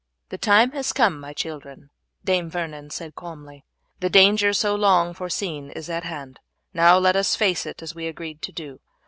"The time has come, my children," Dame Vernon said calmly, "the danger so long foreseen is at hand, now let us face it as we agreed to do.